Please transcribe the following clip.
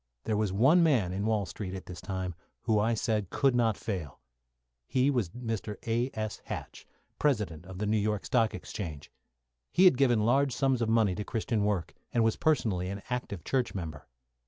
There was one man in Wall Street at this time who I said could not fail. He was Mr. A.S. Hatch, President of the New York Stock Exchange. He had given large sums of money to Christian work, and was personally an active church member.